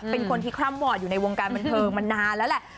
เป็นคนที่คร่ำหมดอยู่ในวงการบรรเทิงมานานแล้วล่ะ